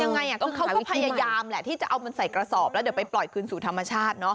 ยังไงก็เขาก็พยายามแหละที่จะเอามันใส่กระสอบแล้วเดี๋ยวไปปล่อยคืนสู่ธรรมชาติเนาะ